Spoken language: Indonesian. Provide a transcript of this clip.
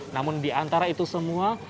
namun di antara itu semua